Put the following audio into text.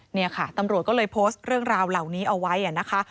เนี่ยค่ะตำรวจก็เลยโพสต์เรื่องราวเหล่านี้เอาไว้นะคะ